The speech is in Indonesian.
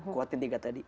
kuat ini yang tadi